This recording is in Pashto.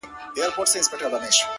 o گوره را گوره وه شپوږمۍ ته گوره ـ